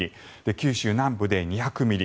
九州南部で２００ミリ。